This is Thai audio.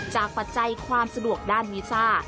ปัจจัยความสะดวกด้านวีซ่า